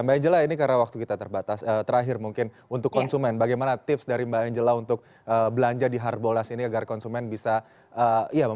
mbak angela ini karena waktu kita terbatas terakhir mungkin untuk konsumen bagaimana tips dari mbak angela untuk belanja di harbolass ini agar konsumen bisa iya